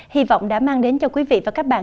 hy vọng đã mang đến cho quý vị và các bạn